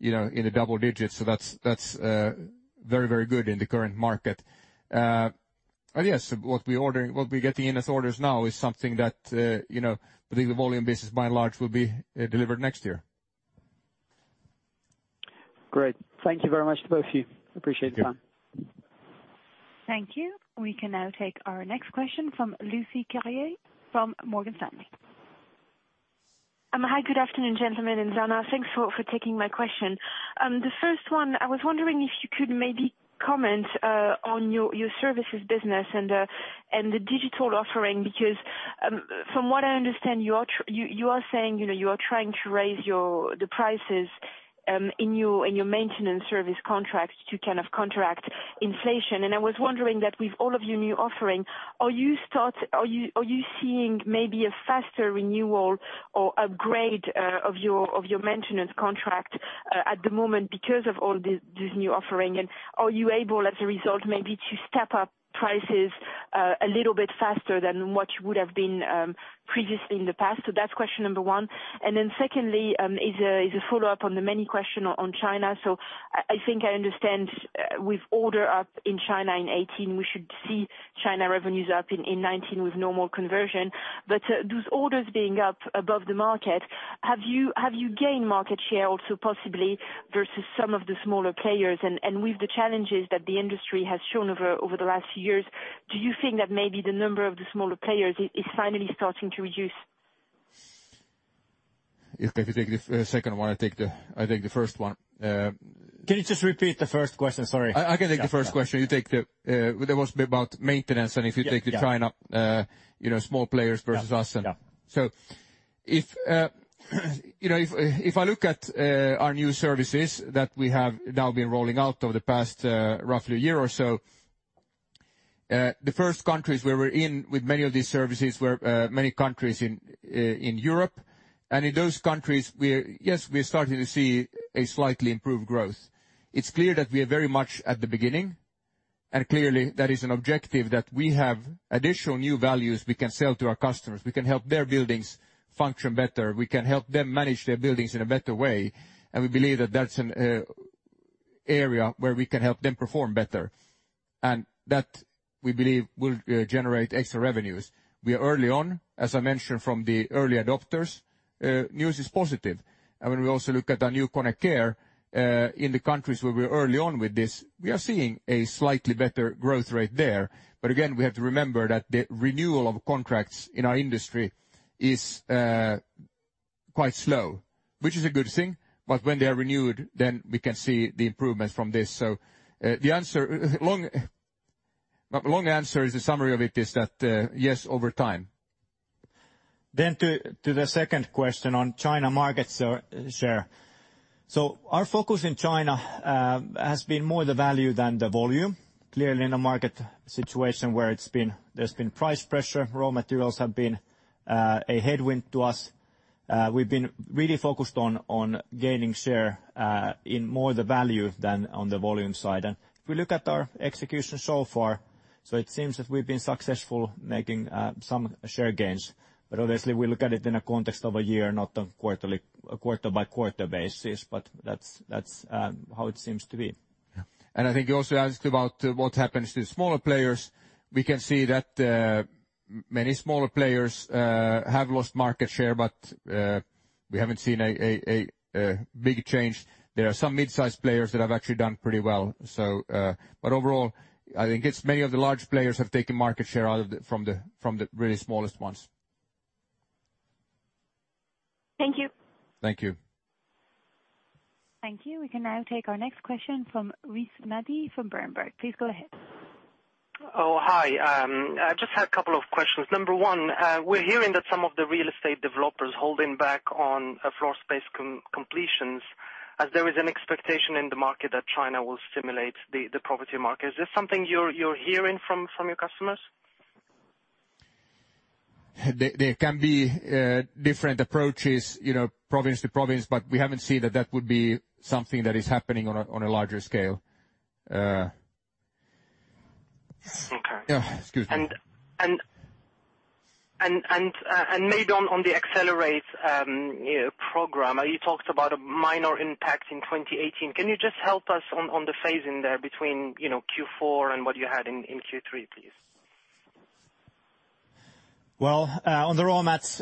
the double digits. That's very, very good in the current market. Yes, what we're getting in as orders now is something that I believe the volume business by and large will be delivered next year. Great. Thank you very much to both of you. Appreciate your time. Yeah. Thank you. We can now take our next question from Lucie Carrier from Morgan Stanley. Hi, good afternoon, gentlemen, Sanna, thanks for taking my question. The first one, I was wondering if you could maybe comment on your services business and the digital offering, because from what I understand, you are saying you are trying to raise the prices in your maintenance service contracts to kind of contract inflation. I was wondering that with all of your new offering, are you seeing maybe a faster renewal or upgrade of your maintenance contract at the moment because of all these new offering, are you able, as a result, maybe to step up prices a little bit faster than what you would have been previously in the past? That's question number 1. Secondly, is a follow-up on the many question on China. I think I understand with order up in China in 2018, we should see China revenues up in 2019 with normal conversion. Those orders being up above the market, have you gained market share also possibly versus some of the smaller players? With the challenges that the industry has shown over the last years, do you think that maybe the number of the smaller players is finally starting to reduce? Ilkka, if you take the second one, I take the first one. Can you just repeat the first question? Sorry. I can take the first question. That was about maintenance, if you take the China small players versus us. Yeah. If I look at our new services that we have now been rolling out over the past roughly a year or so, the first countries where we're in with many of these services were many countries in Europe. In those countries, yes, we're starting to see a slightly improved growth. It's clear that we are very much at the beginning, clearly that is an objective that we have additional new values we can sell to our customers. We can help their buildings function better. We can help them manage their buildings in a better way, and we believe that that's an area where we can help them perform better. That, we believe, will generate extra revenues. We are early on, as I mentioned, from the early adopters. News is positive. When we also look at our new KONE Care in the countries where we're early on with this, we are seeing a slightly better growth rate there. Again, we have to remember that the renewal of contracts in our industry is quite slow, which is a good thing. When they are renewed, then we can see the improvements from this. Long answer is the summary of it is that yes, over time. To the second question on China market share. Our focus in China has been more the value than the volume. Clearly in a market situation where there's been price pressure, raw materials have been a headwind to us. We've been really focused on gaining share in more the value than on the volume side. If we look at our execution so far, it seems that we've been successful making some share gains. Obviously we look at it in a context of a year, not a quarter by quarter basis, but that's how it seems to be. Yeah. I think you also asked about what happens to smaller players. We can see that many smaller players have lost market share, but we haven't seen a big change. There are some mid-size players that have actually done pretty well. Overall, I think it's many of the large players have taken market share from the really smallest ones. Thank you. Thank you. Thank you. We can now take our next question from Riz Madi from Berenberg. Please go ahead. Hi. I just had a couple of questions. Number 1, we're hearing that some of the real estate developers holding back on floor space completions as there is an expectation in the market that China will stimulate the property market. Is this something you're hearing from your customers? There can be different approaches province to province, but we haven't seen that that would be something that is happening on a larger scale. Okay. Yeah. Excuse me. Maybe on the Accelerate program, you talked about a minor impact in 2018. Can you just help us on the phasing there between Q4 and what you had in Q3, please? Well, on the raw mats,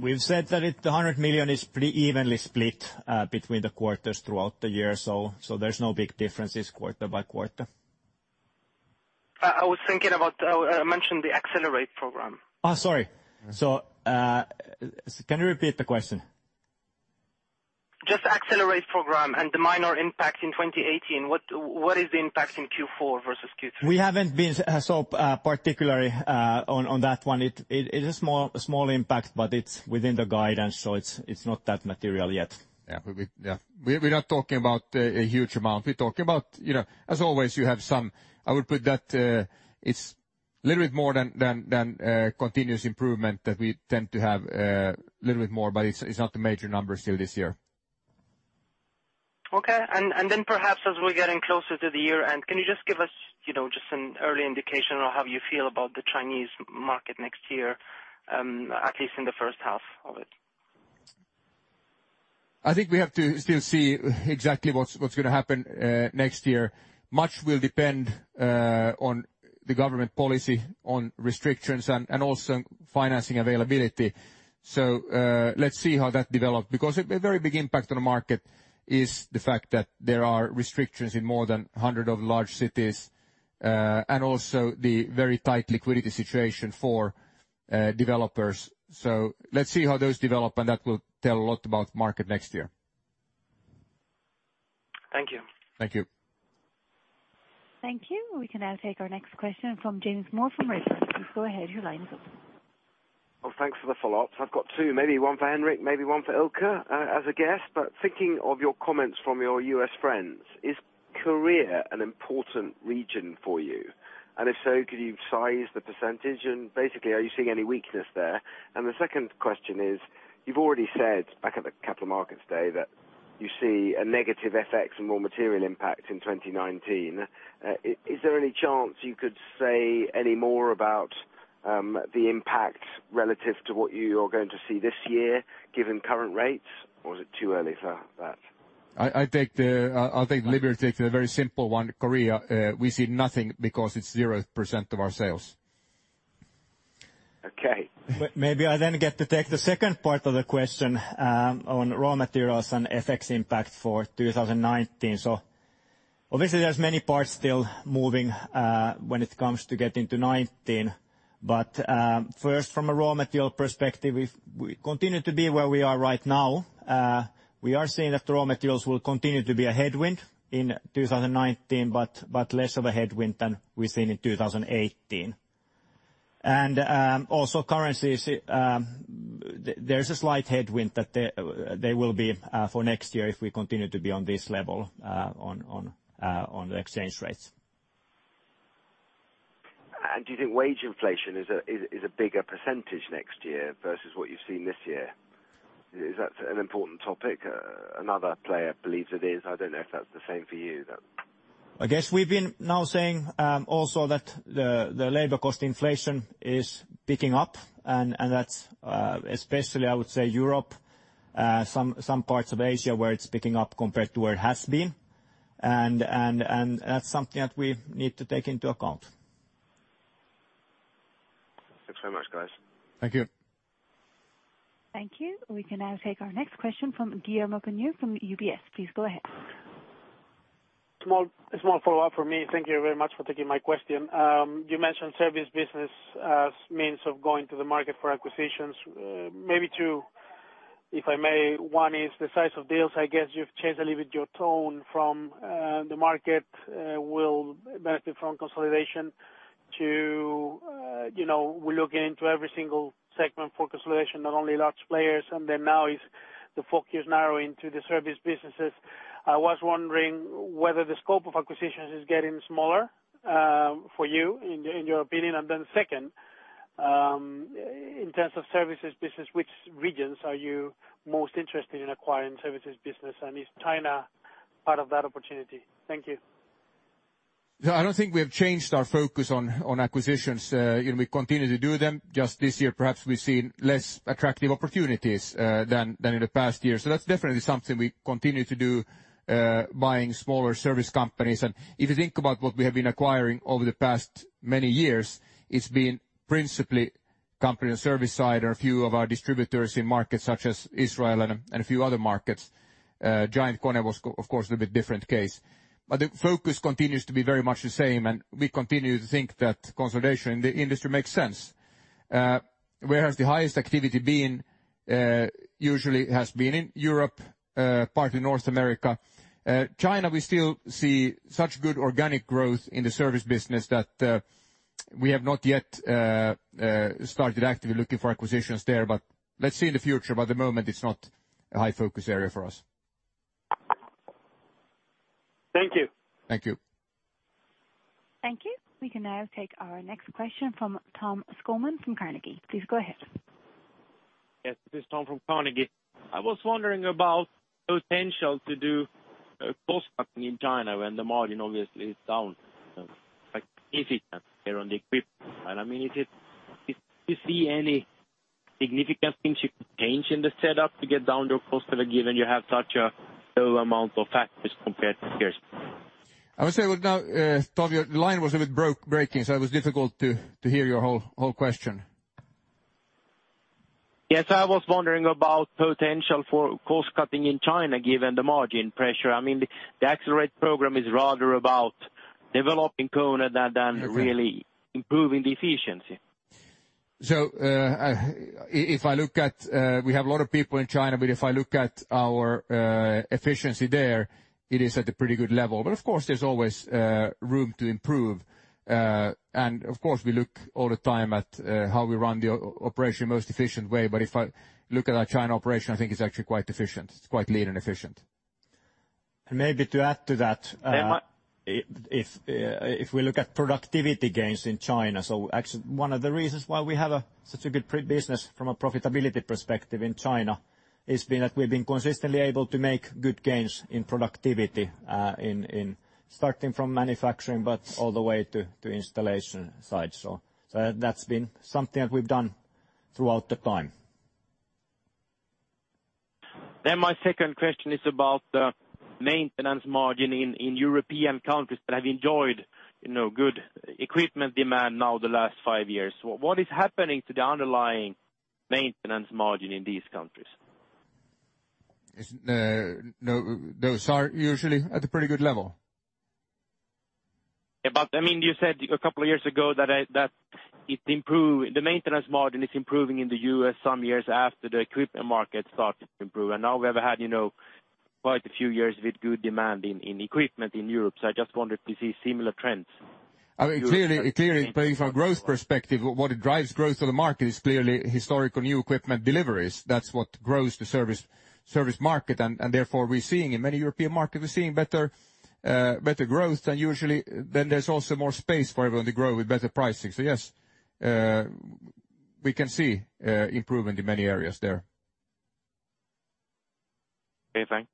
we've said that the 100 million is pretty evenly split between the quarters throughout the year, so there's no big differences quarter by quarter. I was thinking about, I mentioned the Accelerate program. Oh, sorry. Can you repeat the question? Just Accelerate program and the minor impact in 2018, what is the impact in Q4 versus Q3? We haven't been so particular on that one. It is a small impact, but it's within the guidance, so it's not that material yet. We're not talking about a huge amount. We're talking about, as always, you have some I would put that it's a little bit more than continuous improvement that we tend to have a little bit more, it's not the major number still this year. Perhaps as we're getting closer to the year-end, can you just give us just an early indication on how you feel about the Chinese market next year, at least in the first half of it? I think we have to still see exactly what's going to happen next year. Much will depend on the government policy on restrictions and also financing availability. Let's see how that develops, because a very big impact on the market is the fact that there are restrictions in more than 100 of the large cities, and also the very tight liquidity situation for developers. Let's see how those develop, and that will tell a lot about the market next year. Thank you. Thank you. Thank you. We can now take our next question from James Moore from Redburn. Please go ahead. Your line's open. Thanks for the follow-up. I've got two, maybe one for Henrik, maybe one for Ilkka as a guest. Thinking of your comments from your U.S. friends, is Korea an important region for you? If so, could you size the percentage? Basically, are you seeing any weakness there? The second question is, you've already said back at the Capital Markets Day that you see a negative FX and more material impact in 2019. Is there any chance you could say any more about the impact relative to what you are going to see this year, given current rates? Is it too early for that? I'll take the liberty to take the very simple one. Korea, we see nothing because it's 0% of our sales. Okay. Maybe I then get to take the second part of the question on raw materials and FX impact for 2019. Obviously there's many parts still moving when it comes to getting to 2019. First, from a raw material perspective, if we continue to be where we are right now, we are seeing that the raw materials will continue to be a headwind in 2019, but less of a headwind than we've seen in 2018. Also currencies, there's a slight headwind that they will be for next year if we continue to be on this level on the exchange rates. Do you think wage inflation is a bigger percentage next year versus what you've seen this year? Is that an important topic? Another player believes it is. I don't know if that's the same for you though. I guess we've been now saying also that the labor cost inflation is picking up, and that's especially, I would say, Europe, some parts of Asia, where it's picking up compared to where it has been. That's something that we need to take into account. Thanks so much, guys. Thank you. Thank you. We can now take our next question from Guillermo Peigneux Lojo from UBS. Please go ahead. A small follow-up from me. Thank you very much for taking my question. You mentioned service business as means of going to the market for acquisitions. Maybe two, if I may. One is the size of deals. I guess you've changed a little bit your tone from the market will benefit from consolidation to we're looking into every single segment for consolidation, not only large players, then now the focus is narrowing to the service businesses. I was wondering whether the scope of acquisitions is getting smaller for you in your opinion. Then second, in terms of services business, which regions are you most interested in acquiring services business? Is China part of that opportunity? Thank you. I don't think we have changed our focus on acquisitions. We continue to do them. Just this year, perhaps we've seen less attractive opportunities than in the past year. That's definitely something we continue to do, buying smaller service companies. If you think about what we have been acquiring over the past many years, it's been principally company and service side or a few of our distributors in markets such as Israel and a few other markets. GiantKONE was, of course, a little bit different case. The focus continues to be very much the same, we continue to think that consolidation in the industry makes sense. Whereas the highest activity usually has been in Europe, partly North America. China, we still see such good organic growth in the service business that we have not yet started actively looking for acquisitions there. Let's see in the future. At the moment, it's not a high focus area for us. Thank you. Thank you. We can now take our next question from Tom Skogman from Carnegie. Please go ahead. Yes. This is Tom from Carnegie. I was wondering about potential to do cost cutting in China when the margin obviously is down, like efficiency there on the equipment. If you see any significant things you could change in the setup to get down your cost, given you have such a low amount of fat compared to peers. I would say, Tom, your line was a bit breaking, it was difficult to hear your whole question. Yes. I was wondering about potential for cost cutting in China, given the margin pressure. The Accelerate program is rather about developing KONE than really improving the efficiency. We have a lot of people in China, but if I look at our efficiency there, it is at a pretty good level. Of course, there's always room to improve. Of course, we look all the time at how we run the operation most efficient way. If I look at our China operation, I think it's actually quite efficient. It's quite lean and efficient. Maybe to add to that, if we look at productivity gains in China, actually, one of the reasons why we have such a good business from a profitability perspective in China has been that we've been consistently able to make good gains in productivity, starting from manufacturing, but all the way to installation side. That's been something that we've done throughout the time. My second question is about the maintenance margin in European countries that have enjoyed good equipment demand now the last five years. What is happening to the underlying maintenance margin in these countries? Those are usually at a pretty good level. You said a couple of years ago that the maintenance margin is improving in the U.S. some years after the equipment market started to improve. Now we have had quite a few years with good demand in equipment in Europe. I just wondered, do you see similar trends? Clearly from a growth perspective, what drives growth on the market is clearly historical new equipment deliveries. That's what grows the service market, and therefore, in many European markets, we're seeing better growth than usually. There's also more space for everyone to grow with better pricing. Yes, we can see improvement in many areas there. Okay, thanks.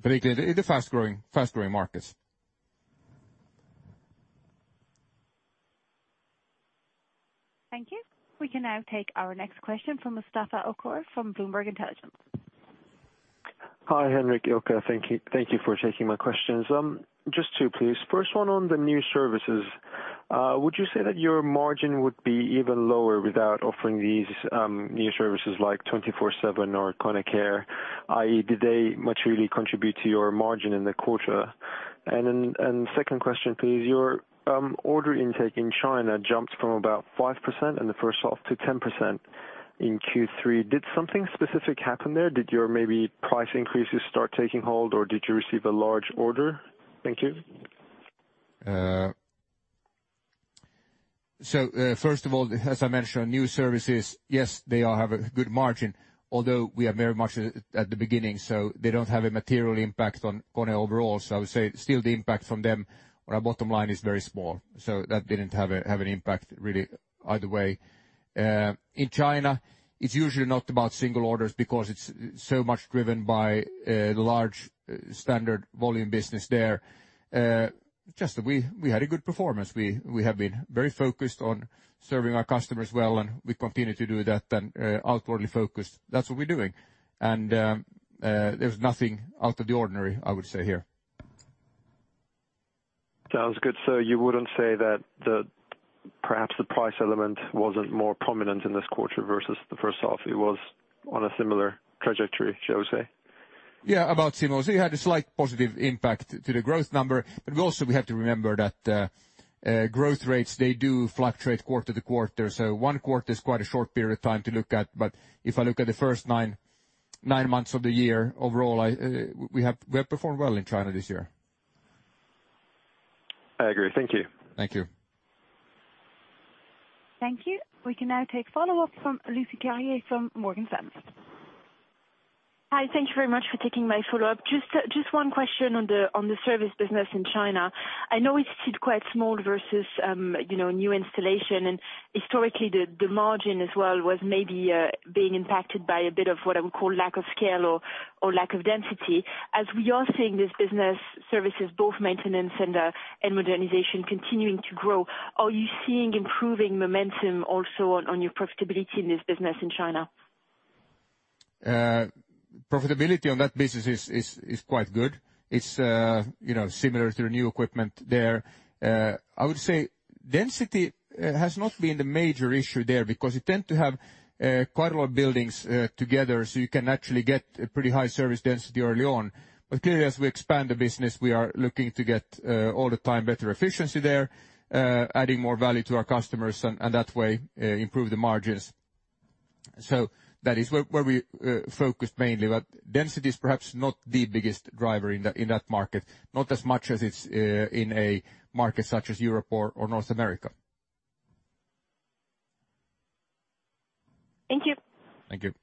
Particularly in the fast-growing markets. Thank you. We can now take our next question from Mustafa Okur from Bloomberg Intelligence. Hi, Henrik, Ilkka. Thank you for taking my questions. Just two, please. First one on the new services. Would you say that your margin would be even lower without offering these new services like 24/7 or KONE Care, i.e., did they materially contribute to your margin in the quarter? Second question, please. Your order intake in China jumped from about 5% in the first half to 10% in Q3. Did something specific happen there? Did your price increases start taking hold, or did you receive a large order? Thank you. First of all, as I mentioned, new services, yes, they all have a good margin, although we are very much at the beginning, so they don't have a material impact on KONE overall. I would say still the impact from them on our bottom line is very small. That didn't have an impact really either way. In China, it's usually not about single orders because it's so much driven by the large standard volume business there. Just we had a good performance. We have been very focused on serving our customers well, and we continue to do that than outwardly focused. That's what we're doing. There's nothing out of the ordinary, I would say here. Sounds good. You wouldn't say that perhaps the price element wasn't more prominent in this quarter versus the first half. It was on a similar trajectory, shall we say? Yeah, about similar. You had a slight positive impact to the growth number. Also we have to remember that growth rates, they do fluctuate quarter-to-quarter. One quarter is quite a short period of time to look at. If I look at the first nine months of the year, overall, we have performed well in China this year. I agree. Thank you. Thank you. Thank you. We can now take follow-up from Lucie Carrier from Morgan Stanley. Hi. Thank you very much for taking my follow-up. Just one question on the service business in China. I know it's still quite small versus new installation, and historically, the margin as well was maybe being impacted by a bit of what I would call lack of scale or lack of density. We are seeing this business services, both maintenance and modernization continuing to grow, are you seeing improving momentum also on your profitability in this business in China? Profitability on that business is quite good. It's similar to new equipment there. I would say density has not been the major issue there because you tend to have quite a lot of buildings together, so you can actually get a pretty high service density early on. Clearly, as we expand the business, we are looking to get all the time better efficiency there, adding more value to our customers, and that way improve the margins. That is where we focused mainly. Density is perhaps not the biggest driver in that market, not as much as it's in a market such as Europe or North America. Thank you. Thank you.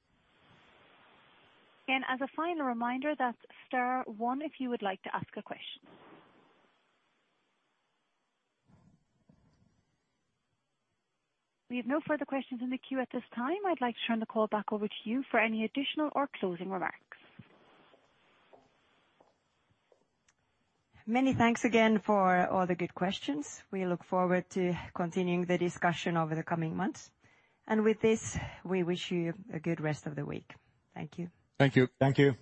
As a final reminder that's star one if you would like to ask a question. We have no further questions in the queue at this time. I'd like to turn the call back over to you for any additional or closing remarks. Many thanks again for all the good questions. We look forward to continuing the discussion over the coming months. With this, we wish you a good rest of the week. Thank you. Thank you. Thank you.